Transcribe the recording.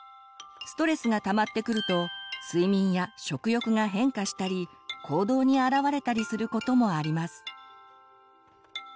ストレスがたまってくると睡眠や食欲が変化したり行動にあらわれたりすることもあります。